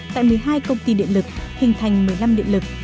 tại một mươi hai công ty điện lực hình thành một mươi năm điện lực